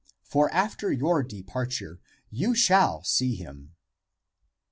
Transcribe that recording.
For after your departure you shall see him."